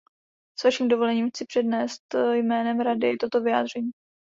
S vaším dovolením chci přednést jménem Rady toto vyjádření.